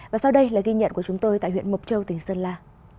và sau đây là ghi nhận của chúng tôi tại huyện mộc châu tỉnh sơn la